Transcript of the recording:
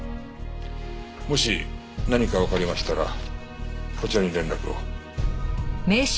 もし何かわかりましたらこちらに連絡を。